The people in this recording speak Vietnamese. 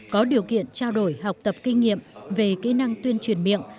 có điều kiện trao đổi học tập kinh nghiệm về kỹ năng tuyên truyền miệng